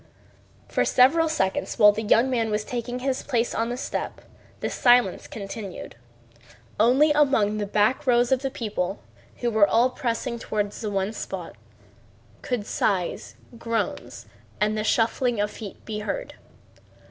For several seconds while the young man was taking his place on the step the silence continued. Only among the back rows of the people, who were all pressing toward the one spot, could sighs, groans, and the shuffling of feet be heard.